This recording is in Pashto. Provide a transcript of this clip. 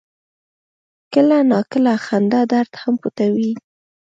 کله ناکله خندا درد هم پټوي.